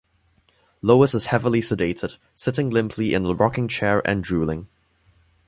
Lois is heavily sedated, sitting limply in a rocking chair and drooling.